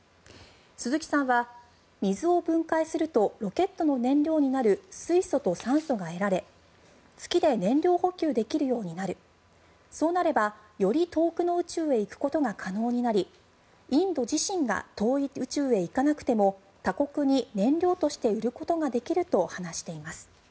鈴木さんは、水を分解するとロケットの燃料になる水素と酸素が得られ月で燃料補給できるようになるそうなれば、より遠くの宇宙へ行くことが可能になりインド自身が遠い宇宙へ行かなくても、他国に燃料として売ることができると話しています。